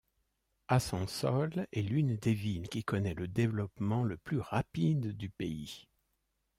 Asansol est l'une des villes qui connaît le développement le plus rapide du pays.